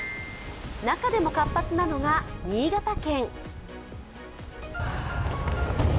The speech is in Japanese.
中でも活発なのが新潟県。